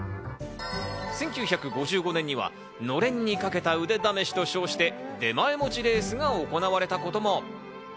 １９５５年には、のれんにかけた腕試しと称して出前持ちレースが行われたことも。